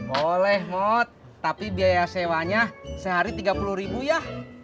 boleh mot tapi biaya sewanya sehari rp tiga puluh ribu ya